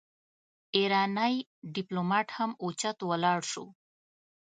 ايرانی ډيپلومات هم اوچت ولاړ شو.